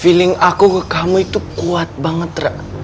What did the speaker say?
feeling aku ke kamu itu kuat banget rak